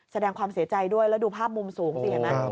แสดงความเสียใจด้วยแล้วดูภาพมุมสูงสิเห็นไหม